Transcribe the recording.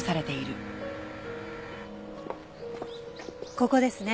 ここですね。